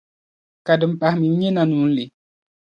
ka din pahi mi nyɛ Nanunli.